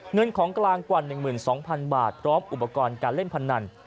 เงินของกลางกว่า๑๒๐๐๐บาทพร้อมอุปกรณ์การเล่นพนัน